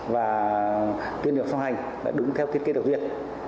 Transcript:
và tuyên hiệu song hành đúng theo thiết kế đầu tiên